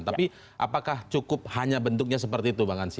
tapi apakah cukup hanya bentuknya seperti itu bang ansy